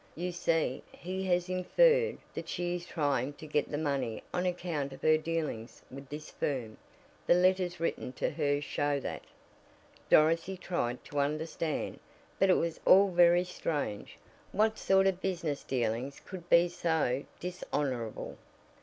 You see, he has inferred that she is trying to get the money on account of her dealings with this firm. The letters written to her show that." Dorothy tried to understand, but it was all very strange. What sort of business dealings could be so dishonorable?